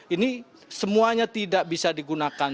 ini semuanya tidak bisa digunakan